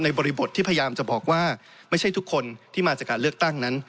บริบทที่พยายามจะบอกว่าไม่ใช่ทุกคนที่มาจากการเลือกตั้งนั้น